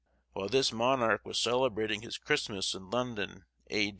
While this monarch was celebrating his Christmas in London, A.